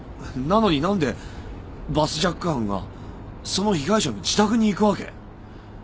なのに何でバスジャック犯がその被害者の自宅に行くわけ？